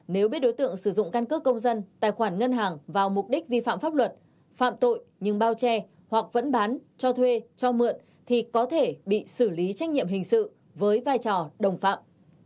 nếu biết đối tượng sử dụng căn cước công dân tài khoản ngân hàng vào mục đích vi phạm pháp luật phạm tội nhưng bao che hoặc vẫn bán cho thuê cho mượn thì có thể bị xử lý trách nhiệm hình sự với vai trò đồng phạm